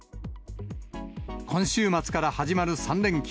今週末から始まる３連休。